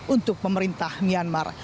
untuk pemerintah myanmar